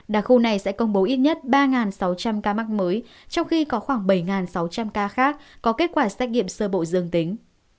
đặc khu này sẽ công bố ít nhất ba sáu trăm linh ca mắc mới trong khi có khoảng bảy sáu trăm linh ca khác có kết quả xét nghiệm sơ bộ dương tính